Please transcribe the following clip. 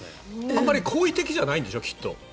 あまり好意的じゃないんでしょきっと。